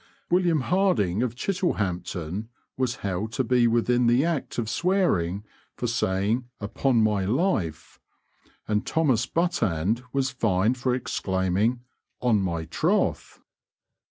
William Harding, of Chittlehampton, was held to be within the act of swearing for saying "Upon my life," and Thomas Buttand was fined for exclaiming "On my troth!"